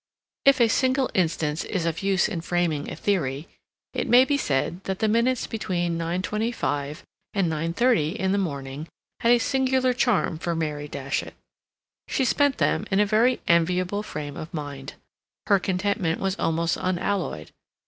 If a single instance is of use in framing a theory, it may be said that the minutes between nine twenty five and nine thirty in the morning had a singular charm for Mary Datchet. She spent them in a very enviable frame of mind; her contentment was almost unalloyed.